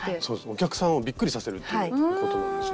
お客さんをびっくりさせるということなんですね。